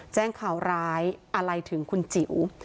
แจ้งข่าวร้ายอะไรถึงคุณจิ๋ว